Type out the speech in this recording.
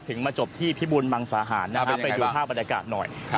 ถึงมาจบที่พิบุลมังสาหารนะฮะไปดูภาพบรรยากาศหน่อยครับ